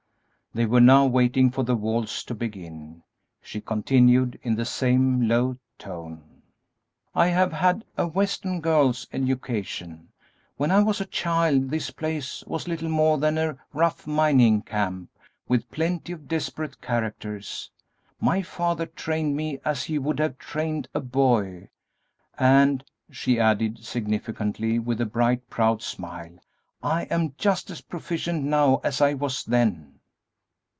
They were now waiting for the waltz to begin; she continued, in the same low tone: "I have had a western girl's education. When I was a child this place was little more than a rough mining camp, with plenty of desperate characters. My father trained me as he would have trained a boy, and," she added, significantly, with a bright, proud smile, "I am just as proficient now as I was then!"